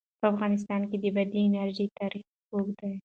په افغانستان کې د بادي انرژي تاریخ اوږد دی.